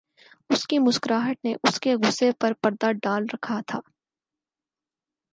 اُس کی مسکراہٹ نے اُس کے غصےپر پردہ ڈال رکھا تھا